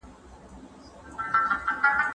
ټولنيز عدالت د سالم سياسي نظام تر ټولو مهم ارمان دی.